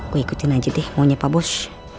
gue ikutin aja deh maunya pak bus